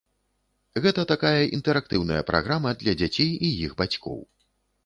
Гэта такая інтэрактыўная праграма для дзяцей і іх бацькоў.